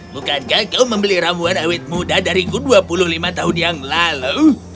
bukankah kau membeli ramuan awet muda dari ku dua puluh lima tahun yang lalu